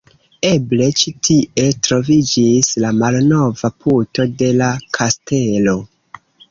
Elbe ĉi tie troviĝis la malnova puto de la kastelo.